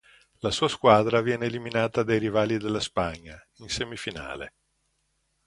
La sua squadra viene eliminata dai rivali della Spagna, in semifinale.